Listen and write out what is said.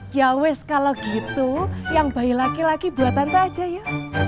ya wes kalau gitu yang bayi laki laki buat tante aja ya